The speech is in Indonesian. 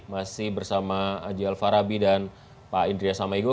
masih bersama adi alfarabi dan pak indri asama igo